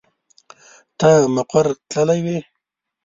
ته مقر تللی وې.